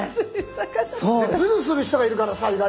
ズルする人がいるからさ意外と。